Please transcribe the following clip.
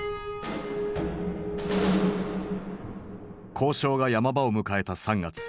交渉が山場を迎えた３月。